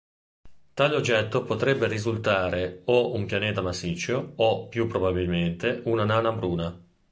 Tale oggetto potrebbe risultare o un pianeta massiccio o, più probabilmente, una nana bruna.